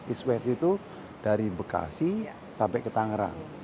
east west itu dari bekasi sampai ke tangerang